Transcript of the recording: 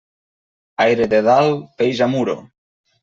Aire de dalt, peix a Muro.